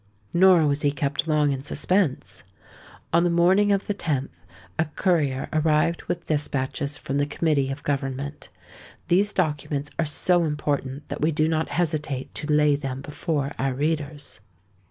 Nor was he kept long in suspense. On the morning of the 10th a courier arrived with despatches from the Committee of Government. These documents are so important, that we do not hesitate to lay them before our readers.